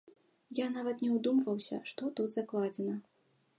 Я нават не ўдумваўся, што тут закладзена.